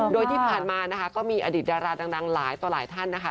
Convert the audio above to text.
โดยที่ผ่านมานะคะก็มีอดีตดาราดังหลายต่อหลายท่านนะคะ